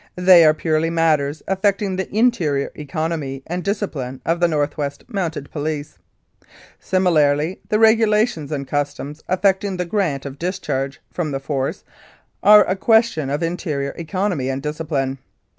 They are purely matters affecting the interior economy and discipline of the N.W.M. Police. Similarly the regulations and customs affecting the grant of discharge from the Force are a question of interior economy and discipline.